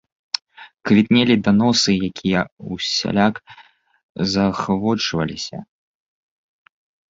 Квітнелі даносы, якія ўсяляк заахвочваліся.